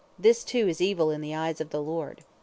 This, too, is evil in the eyes of the Lord.